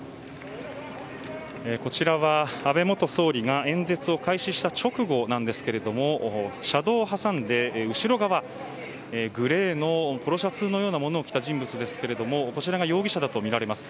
こちらは、安倍元総理が演説を開始した直後なんですが車道を挟んで後ろ側グレーのポロシャツのようなものを着た人物ですけれどもこちらが容疑者だとみられます。